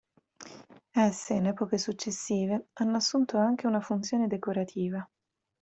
Esse, in epoche successive, hanno assunto anche una funzione decorativa.